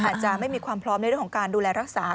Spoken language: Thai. อาจจะไม่มีความพร้อมในเรื่องของการดูแลรักษา